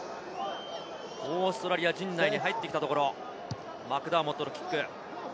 オーストラリア陣内に入ってきたところ、マクダーモットのキック。